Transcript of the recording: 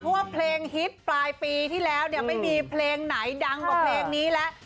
เพราะว่าเพลงฮิตปลายปีที่แล้วเนี่ยไม่มีเพลงไหนดังกว่าเพลงนี้แล้ว